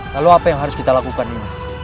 lalu apa yang harus kita lakukan nimas